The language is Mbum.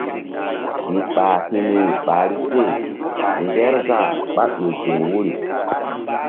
Mi ɓah hi̧ niri ɓahri se Ŋgerzah ɓá ƴo ziŋ wuri.